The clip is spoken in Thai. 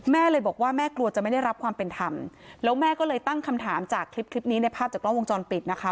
แม่เลยบอกว่าแม่กลัวจะไม่ได้รับความเป็นธรรมแล้วแม่ก็เลยตั้งคำถามจากคลิปคลิปนี้ในภาพจากกล้องวงจรปิดนะคะ